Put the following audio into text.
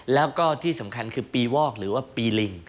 แล้วก็ที่สำคัญคือปีวอกหรือว่าปีลิง